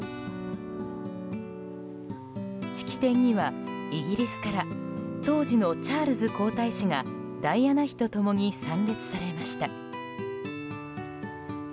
式典にはイギリスから当時のチャールズ皇太子がダイアナ妃と共に参列されました。